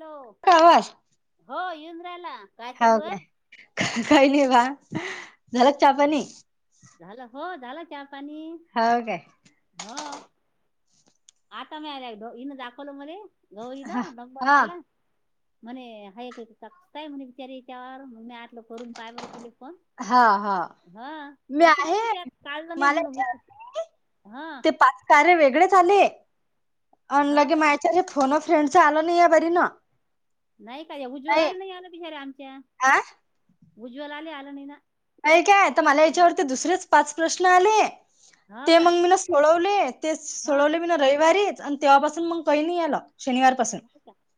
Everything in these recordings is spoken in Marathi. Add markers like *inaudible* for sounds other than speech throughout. हॅलो का आवाज हो येऊन राहिला हो चालू आहे काय काही नही बा, झालं चा पाणी? झाला चा पाणी हो काय हो आता मिळाल्या दोनइन दाखोल मने हा *unintelligible* म्हणे हाय ताय म्हणे बिचारी त्यावर म मी आतलं करून पाय बरं केली मन हा हा मी आहे की त्या काढलं नाही मला म्हणून *inaudible* ते पाच कार्य वेगळे झाले अ हा लगे का मा्याच्या फोन फ्रेंडच आलं नाही य बरी न नाही काय उज्ज्वला आला नाही आलं बिचाऱ्या आमच्या आ उज्ज्वलाले आले नाही ना काय का आता मला याच्यावरती दुसरेच पाच प्रश्न आले हो ते का मग मी ना सोडवले ते हा सोडवले मी ना रविवारीत आणि तेव्हापासून मग काही नाही यायला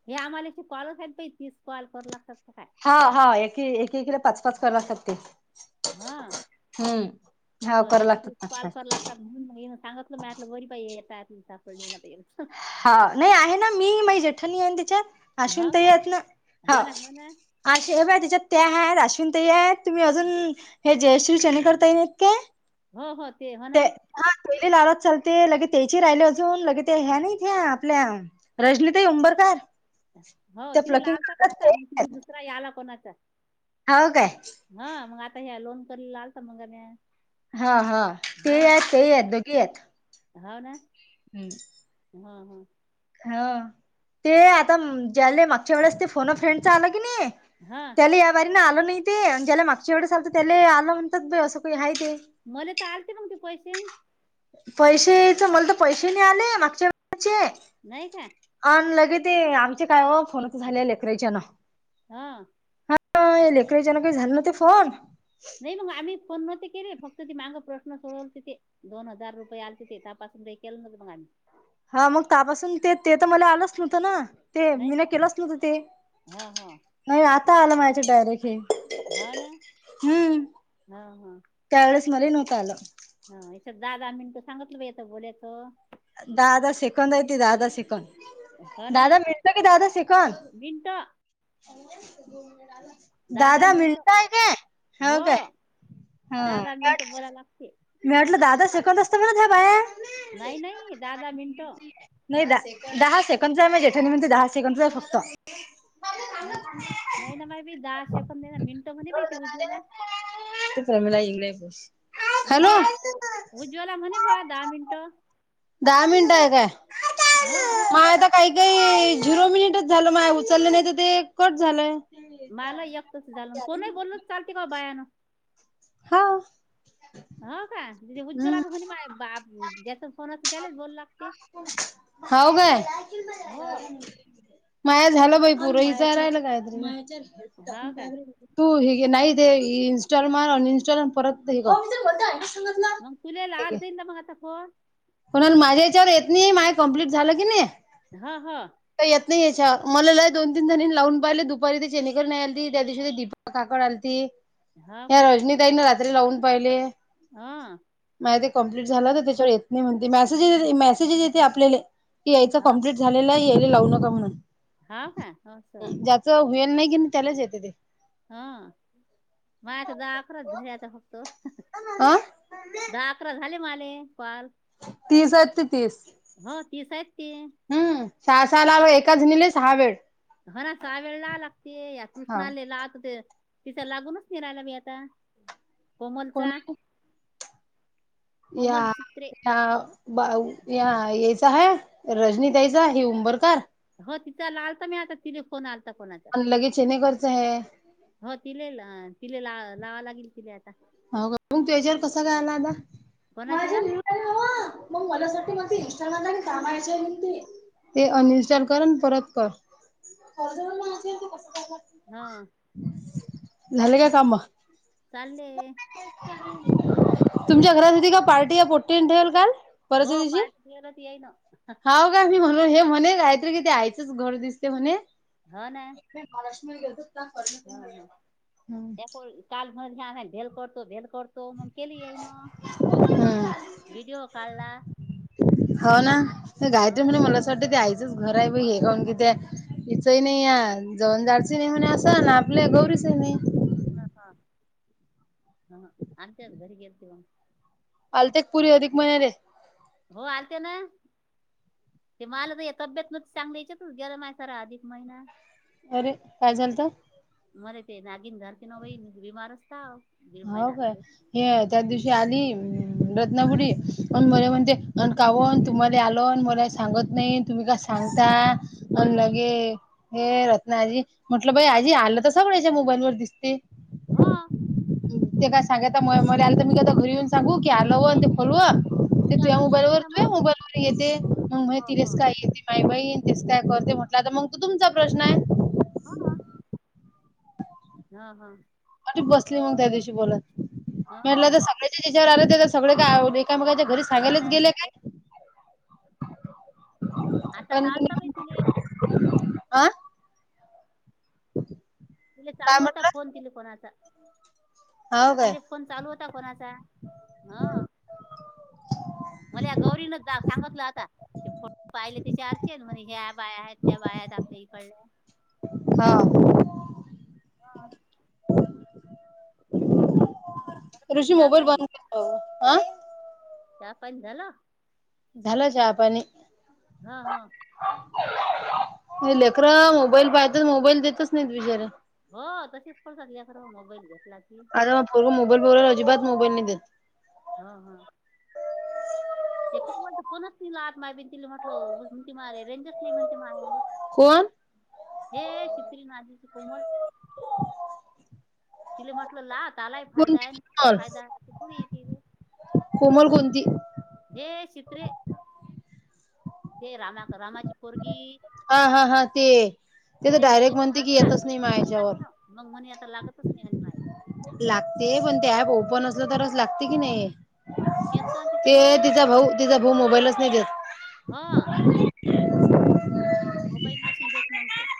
हे आम्हालाची कॉलच आहेत प तीच कॉल करू लागतात काय हा हा एक एकला पाच पाच कसाठीगते हा हा तर हे कराव लागतात तीस पाच पाच पाल कर लागतात म्हणून ये सांगतलं मलं बरी बाई येतात त हा नाही आहे ना मी माझ जेठणी आहे तिच्यात हो अश्विनंत का येत ना ह हो ना हो ना अश बा त्याच्यात त्या आहेत अश्विंत आहेतेत तुम्ही अजून हे जयश्री शने करता येलत काय हो हो ते हो ना लालच चालते लगे त्याची राहिले अजून लगे ते ह्या ना इथे आपल्या रजनीताई उंबरकार हो त्या तिथे प्लकिंग लालता का करतात आता मग ते तिे दुसरा याला कोणाचा हाव काय हा मग आता ह्या लोन कला आलता मग म हा हा ते आहेत तेही आहेत दोघे आहेत होा ना हम् हा हा हा ते आता ज्याले मागच्या वेळेस ते फोन फ्रेंड आला हा त्या याारी आलं नाही ते ज्याला मागच्या ववे चालत त्याला आलं म्हणतात अस मले तर आलते मग ते पैसे पैसेच मला तर पैसे नाही आले मागच्या वेचे नाही का अऑन लगे ते आमचे काय फोनच झाले लेकराच्या ना हा लेकच्यान काही झालं ना ते फोन नाही मग आम्ही फोन न्हते केले फक्त तेी माग प्रश्न सोडवते ते दोन हजार रुपये आलते ते तपास. के म मग हा मग त्यापासून ते ते तर मला आलंच नव्हतं ना. ते नाही मी का? ना केलंच नव्हतं ते हो हो नाही आता आलं माझच डायरेक्ट हे. हा ना हम्म हा हा. त्यावेेळेस मला नव्हतं आलं. हा इथ दादा मिनटं सांगितलंेतं बोलायचं. दहा दहा सेकंद आहे त दहा दहा हो सेकंदड ना दादा मित क दादा शिखन मिनट दहा दहा दादा मिनट मिलताय काय हो काय? हा दहा दहा मिनट बरा लागते. मी वाटलं दादा सेकल असत मित ह बाय. नाही नाही दाहा दहा मिनटो नाही द दहा सेकंडचा आहे म जेठाणी म्हणते दहा सेकंडचा आहे फक्त नाही नाही ना बा भी दहा सेकंद नाही ना मिनटं म्हणे बा ते उजव ना. मला ये नाही बोस. उज्ज्वला उज्वला म्हणे भा दहा मिनटो दामीिडय का? हो. काही झिरो मिनिटच झालं मा उचललं नाही तर ते कट झालंय. मला एकतच झालं कोणही बोलणच चालते का बायानं हा हो का तथ हम्म हुजबोलात म्ह मा ज्याचा फोन असतो त्यालाच बोलला. हव काय? हो माय झालं बाई पुर हिच राहिला कायतरी हो का तू नाही दे इनस्टॉलमें अनइनस्टॉलमेंट परत ग. मग चुलेला आ्रिला मग तकवा पण माझ्या याच्यावर येत नाही माझ कम्प्लीट झालं की नाही. हा हा. तर येत नाही याच्या मला दोन तीन जणी लावून पाहिले दुपारी ते चेनेकर नाही आलती त्या दिवशी ते ीपा काकड आलती. हो या रजनीताईनीं रात्री लावून पाहिले. हा. ते कंप्लीट झाला तर त्याच्यावर येत नाही म्हणते मसेज मेसेज येते आपल्याले की यायच हो कंप्लीट झालेलं यायला लावू नका म्हणून हो का हो असं. ज्याच होईल नाही. त्यालाच येत ते. हा माय तर आता द अकराच झालय आता फक्त अ दहा अकरा झाले माले काल तीस आहेत ते तीस हो तीस आहेत तीस हम्म सहा सहा लाव एक सहा वेळ हा ना सहा वेळ ला लागते या हा कृष्णाले लाहत ते तिचा लागूनच निरायला मी आता कोमलचा कोणा या कोमल सूत्रे या. बा या यायच हाय रजनीताईचा हे उंबरकार हो तिथला आलता मी आता तिचा फोन आल. कोणा आणि लगेच चेनेकरच आहे हो तिले ति ला लावा लागेल तिला आता मग त्याच्यावर कस काय आला आता कोणाचे माझ. या ते अनइनस्टॉल कर परत कर. *unintelligible* त हा. झालं काय काम? चाल्ले. तुमच्या *unintelligible* हो दिवशी पार्टी ठेवली तेयेई ना. हाव का मी म्हणून हे म्हणे काहीतरी कि ते आयचंच घर दिसते म्हणे. हो ना. *unintelligible* *unintelligible* हम्म करतो मग केली येईन, व्हिडिओ काढला. हो ना ते हो गायत्री म्हणणे *unintelligible* घरा आहे बई हे *unintelligible* म्हणे अस ना आपल्या गौरी. स नाही. *unintelligible* आलतेत पुरी अधिक महिन्याले. हो आलते ना. ते मला तर या तब्येत न सांगण्या याच्यात गेला मासारा अधिक महिना. अरे काय झालत. म ते नागिन घर क बीमा र असता. हो काय? हे त्या दिवशी आली *unintelligible* हा? म्हणजे अ कावन तुम्हाला आलोन मला सांगत नाही तुम्ही का सांगता. अ कोण म्हणे लगे हे रत्नाजी म्हंटलं बाई हा, आजी आलं तर सगळे. मोबाईलवर दिसते. हा‌. ते काय सांगाय म आलं तर मी घरी येऊन सांगू की हलव ते फोलव चार तेया मोबाईल दिसतीस व ना मग तू मोबाईल वर येते म हो माहिती कस हो काय माई बहीण तेच काय करते म्हटलं तर मग तू तुमचा प्रश्न आहे. *unintelligible* हा हा. अरे बसली मग त्या दिवशी बोलत हो म्हटलं सगळ्या जच्यावर आले सगळे काय काय मग त्याच्या घरी हो सांगायलाच ना गेले काय. आता पण लालता बाई तिले आ. *inaudible* ते काय चालू होता म्हटलं फोन तिले कोणाचा, हाव काय? ति फोन चालू होता. ता कोणाचा, हा. मला या *unintelligible* *inaudible* हा. हा. चालेल, ऋषी चहा मोबाईल पाणी बंद, आ. चहा पानी झाला? झाल चाहा पानी. हा हा. नाही लेकर मोबाईल पाहत मोबाईल देतच नाही बिचारे. हो तसेच पडतात *unintelligible* मोबाईल घेतला की. आता मग पोरगं मोबाईल बघायला अजिबात मोबाईल नाही देत. हा हा. *unintelligible* कोण? हे चित्री नादि ची कोमल *inaudible* तिला म्हटलं ला त्याला ही फायदा कोणती हाय ना कोमल? फायदा ती कुड येती ग कोमल कोणती? हे छीत्रे हे रामा रामाची पोरगी. हा हा हा ते ते तर तिले मी डायरेक्ट यातला म्हणते की येतच नाही माया आताला याच्यावर. तिला *unintelligible* मग म्हणे आता लागतच नाय *unintelligible* लागते पण ते ऍप ओपन असलं तरच लागते की नाय. केलता ना तिचं ते मग तिचा भाऊ तिचा भाऊ मोबाईलच नाय देत. ह मोबाईल नसंन देत मंग तो.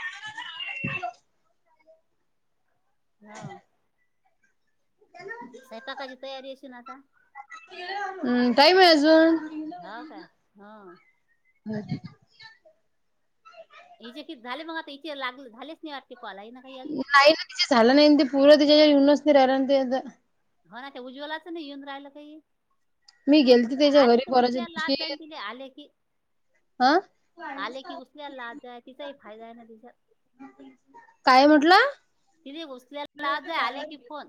हा सैपाकाची तयारी असेन आता. हम् टाईम हाय अजून हा काय हा- हो हचेे कि झाले मग आता इथे लागलं झालेच नाही कॉल आहे ना काही अजून नाही ना तिचे झालं नाही ते पूर तिच्या येनच नाही राहिला ते आ होा ना ते उज्ज्वलाच नाही येऊन राहिलं काही मी मग ति गेलती त्याच्या आले घरी तर परवाच्या उचल्याला दिवशी लात जाईन ति आले की अ आले की उसल्या लाजय तिचाही फायदा आहे ना तिचा काय म्हटलं तिने उचल्याला लाज जाय आले की फोन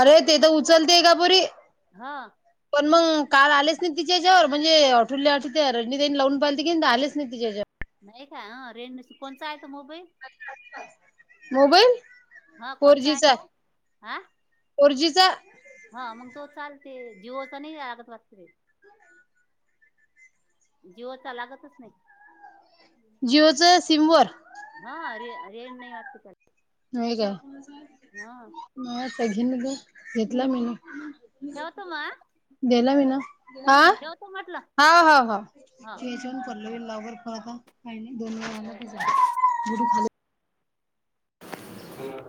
अरे ते तर उचलते का पुरी हा पण मग काल आलेच नाही तिच्यावर म्हणजे ठुरल्या आ ते रणनी तईनी लावून पाहिलीते की तर आलेच नाही तिच्यावर नाही का रे कोण मोबाईल हा फोर कोणचा हाय जीचा तो हा फोर जी चा हा मंग तो चालते जिओ चा नाई लागत वाटते बाई. जिओ चा लागतच नाई. जिओच सिम वर हारे रेण नाही वाटते का हे का आहे हा का घेऊन ग घेतला मी न जवतमा मी ना हा हा हा हा ह लावकरता काही नाही दोन खा ह